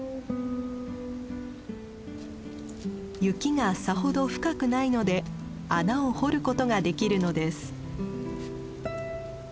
雪がさほど深くないので穴を掘ることができるのです。